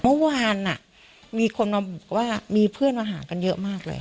เมื่อวานมีคนมาบอกว่ามีเพื่อนมาหากันเยอะมากเลย